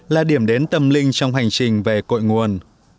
là điểm đến tâm linh trong hành trình về cội nguồn